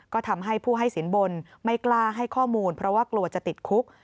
ก็ทำให้ผู้ให้สินบนไม่กล้าให้ข้อมูลเพราะว่ากลัวจะติดคุก